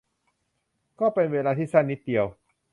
ก็เป็นเวลาที่สั้นนิดเดียว